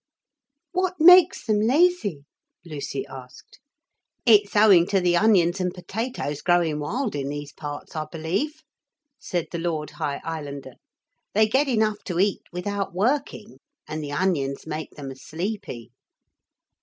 'What makes them lazy?' Lucy asked. 'It's owing to the onions and potatoes growing wild in these parts, I believe,' said the Lord High Islander. 'They get enough to eat without working. And the onions make them sleepy.'